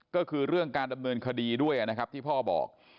ก็คือเรื่องการดำเนินคดีด้วยนะครับที่พ่อบอก